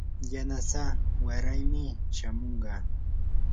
yanasaa waraymi shamunqa.